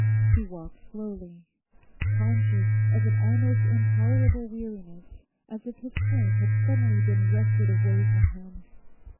He walked slowly, conscious of an almost intolerable weariness, as if his strength had suddenly been wrested away from him.